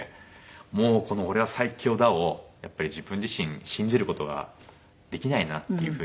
もうこの「オレは最強だ！」をやっぱり自分自身信じる事ができないなっていう風に思ったんですね。